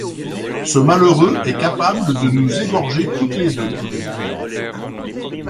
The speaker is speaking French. Ce malheureux est capable de nous égorger toutes les deux.